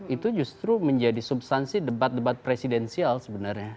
itu justru menjadi substansi debat debat presidensial sebenarnya